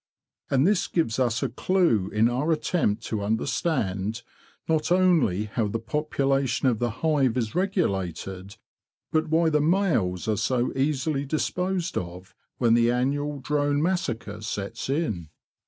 And this gives us a clue in our attempt to understand, not only how the population of the hive is regulated, but why the males are so easily disposed of when the annual drone massacre sets in.